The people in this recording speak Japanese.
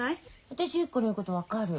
私ゆき子の言うこと分かる。